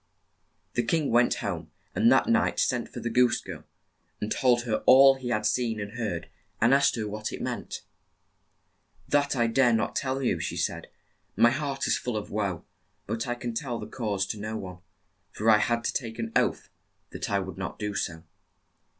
The king went home, and that night sent for the goose girl, and told her all he had seen and heard, and asked her what it meant. "That I dare not tell you," she said. "My heart is full of woe, but I can tell the cause to no one, for I had to take an oath that I would not do so."